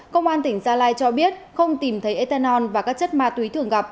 công an tỉnh gia lai cho biết không tìm thấy ethanol và các chất ma túy thường gặp